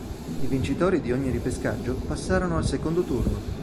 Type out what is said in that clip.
I vincitori di ogni ripescaggio passarono al secondo turno.